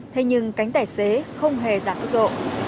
thế nhưng cánh tài xế không hề giảm tốc độ